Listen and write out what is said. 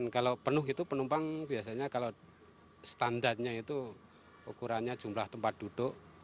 kalau penuh itu penumpang biasanya kalau standarnya itu ukurannya jumlah tempat duduk